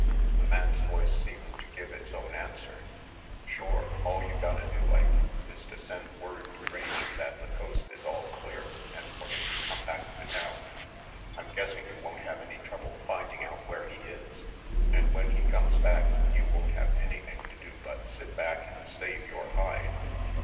The man's voice seemed to give its own answer. "Shore, all you gotta do, Ike, is to send word to Rangy that the coast is all clear and for him to come back to town. I'm guessing you won't have any trouble finding out where he is; and when he comes back, you won't have anything to do but sit back and save your hide."